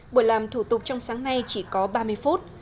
buổi làm thủ tục trong sáng nay chỉ có ba mươi phút